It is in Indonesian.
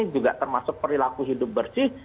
juga termasuk perilaku hidup bersih